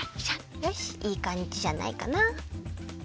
よしいいかんじじゃないかな。